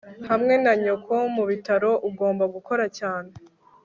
hamwe na nyoko mubitaro, ugomba gukora cyane